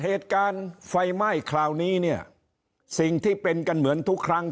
เหตุการณ์ไฟไหม้คราวนี้เนี่ยสิ่งที่เป็นกันเหมือนทุกครั้ง